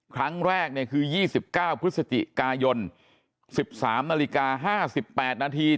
ครั้งแรกคือ๒๙พฤศจิกายน๑๓นาฬิกา๕๘นาที